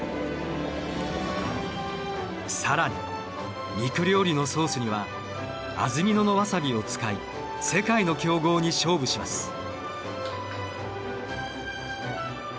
更に肉料理のソースには安曇野のワサビを使い世界の強豪に勝負します。